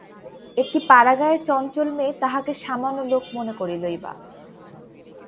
একটি পাড়াগাঁয়ের চঞ্চল মেয়ে তাঁহাকে সামান্য লোক মনে করিলই বা।